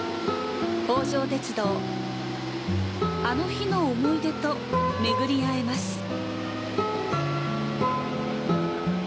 あの日の思い出と巡り合えます。